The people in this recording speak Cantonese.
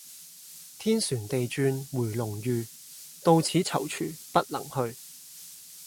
天旋地轉回龍馭，到此躊躇不能去。